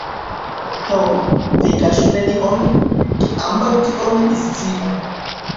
Ho, vi kaŝu nenion, ke ambaŭ tion ni sciu.